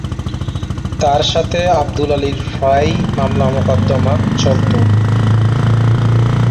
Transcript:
তার সাথে আব্দুল আলীর প্রায়ই মামলা-মোকদ্দমা চলতো।